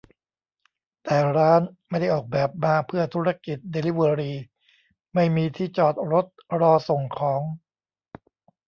แต่ร้านไม่ได้ออกแบบมาเพื่อธุรกิจเดลิเวอรี ไม่มีที่จอดรถรอส่งของ